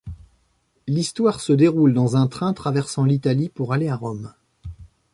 L'histoire se déroule dans un train traversant l'Italie pour aller à Rome.